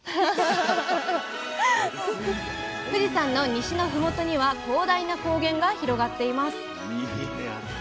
富士山の西の麓には広大な高原が広がっています